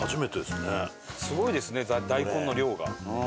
すごいですね大根の量が。